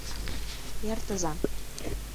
Эртыза!